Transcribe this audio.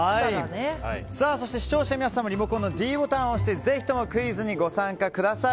そして、視聴者の皆さんもリモコンのｄボタンを押してぜひともクイズにご参加ください。